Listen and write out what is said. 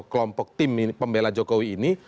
kelompok tim pembela jokowi ini